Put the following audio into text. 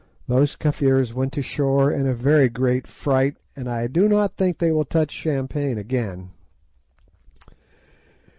Those Kafirs went to the shore in a very great fright, and I do not think that they will touch champagne again.